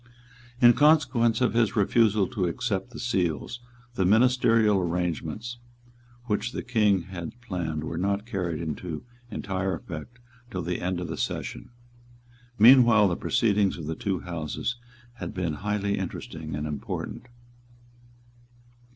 In consequence of his refusal to accept the Seals, the ministerial arrangements which the King had planned were not carried into entire effect till the end of the session. Meanwhile the proceedings of the two Houses had been highly interesting and important.